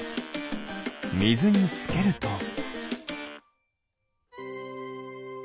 みずにつけると。